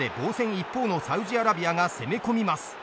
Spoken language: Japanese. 一方のサウジアラビアが攻め込みます。